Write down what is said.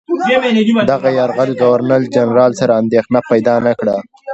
دغه یرغل ګورنرجنرال سره اندېښنه پیدا نه کړه.